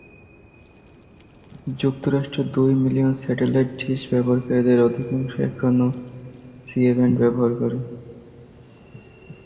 যুক্তরাষ্ট্রে দুই million satellite dish ব্যবহারকারীদের অধিকাংশই এখনও সি ব্যান্ড ব্যবহার করে।